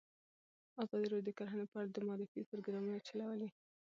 ازادي راډیو د کرهنه په اړه د معارفې پروګرامونه چلولي.